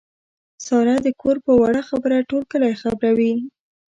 ساره د کور په وړه خبره ټول کلی خبروي.